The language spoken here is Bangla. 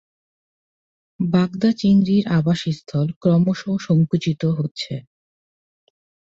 বাগদা চিংড়ির আবাসস্থল ক্রমশ সঙ্কুচিত হচ্ছে।